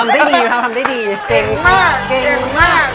ทำได้ดีครับทำได้ดี